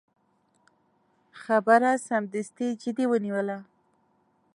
خبره سمدستي جدي ونیوله.